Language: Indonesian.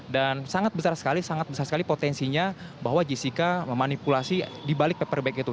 dan sangat besar sekali potensinya bahwa jessica memanipulasi di balik paperback itu